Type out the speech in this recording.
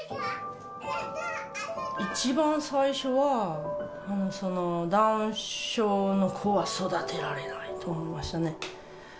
一番最初は、ダウン症の子は育てられないと思いましたね。